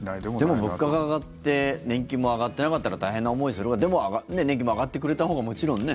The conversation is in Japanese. でも、物価が上がって年金も上がってなかったら大変な思いをする方でも年金も上がってくれたほうがもちろんね。